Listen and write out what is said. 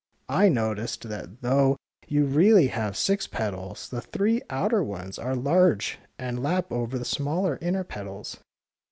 '' I notice that though you really have six petals, the three outer ones are large and lap over the smaller inner petals.